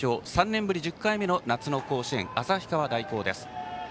３年ぶり１０回目の夏の甲子園旭川大高です。